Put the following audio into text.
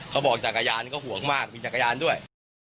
เขาบอกจักรยานก็ห่วงมากมีจักรยานด้วย